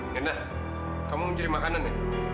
nenek kamu mau cari makanan ya